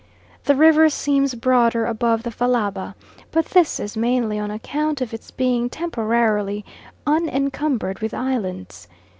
The river seems broader above the Fallaba, but this is mainly on account of its being temporarily unencumbered with islands.